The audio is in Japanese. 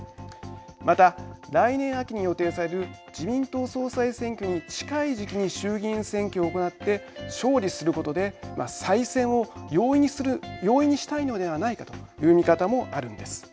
また、来年秋に予定される自民党総裁選挙に近い時期に衆議院選挙を行って勝利することで再選を容易にする容易にしたいのではないかという見方もあるんです。